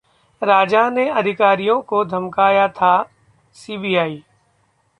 राजा ने अधिकारियों को धमकाया था: सीबीआई